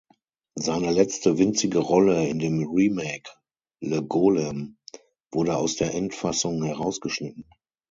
Seine letzte, winzige Rolle in dem Remake "Le Golem" wurde aus der Endfassung herausgeschnitten.